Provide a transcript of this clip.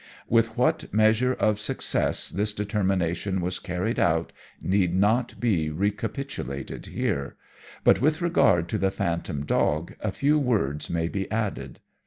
"With what measure of success this determination was carried out need not be recapitulated here; but with regard to the phantom dog a few words may be added.